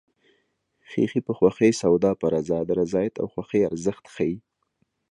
خیښي په خوښي سودا په رضا د رضایت او خوښۍ ارزښت ښيي